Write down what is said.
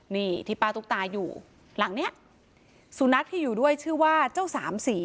นี่ที่ป้าตุ๊กตาอยู่หลังเนี้ยสุนัขที่อยู่ด้วยชื่อว่าเจ้าสามสี